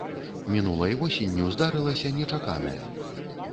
Мінулай восенню здарылася нечаканае.